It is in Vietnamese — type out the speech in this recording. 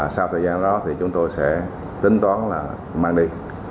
sau thời gian đó thì chúng tôi sẽ tính toán là mang đi